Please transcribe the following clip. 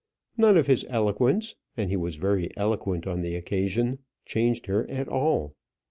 None of his eloquence and he was very eloquent on the occasion changed her at all.